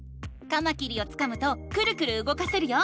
カマキリをつかむとクルクルうごかせるよ。